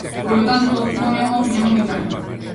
Polo tanto, non é unha opinión unitaria.